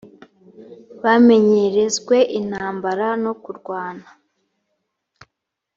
bamenyerezwe intambara no kurwana